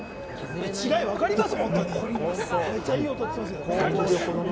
違い、わかります？